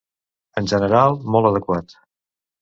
En general, molt adequat.